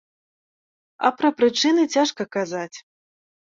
А пра прычыны цяжка казаць.